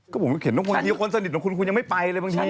ก็ผมเขียนว่าคนสนิทของคุณคุณยังไม่ไปเลยบางที